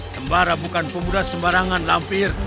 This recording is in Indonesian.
sembara bukan pemuda sembarangan lampir